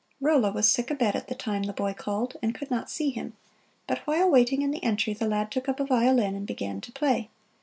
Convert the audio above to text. Rolla was sick abed at the time the boy called and could not see him; but while waiting in the entry the lad took up a violin and began to play.